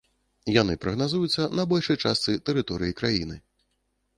Яны прагназуюцца на большай частцы тэрыторыі краіны.